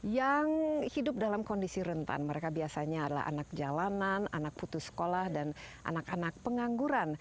yang hidup dalam kondisi rentan mereka biasanya adalah anak jalanan anak putus sekolah dan anak anak pengangguran